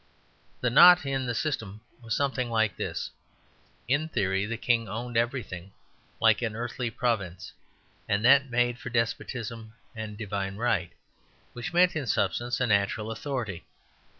The knot in the system was something like this. In theory the King owned everything, like an earthly providence; and that made for despotism and "divine right," which meant in substance a natural authority.